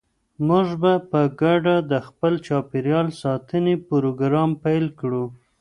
موږ به په ګډه د خپل چاپیریال ساتنې پروګرام پیل کړو.